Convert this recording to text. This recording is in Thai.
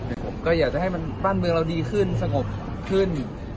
แต่ผมก็อยากจะให้มันบ้านเมืองเราดีขึ้นสงบขึ้น